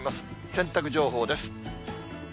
洗濯情報です。